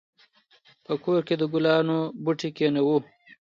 په کور کې د ګلانو بوټي کېنوو.